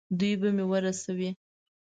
دوی به مې ورسوي.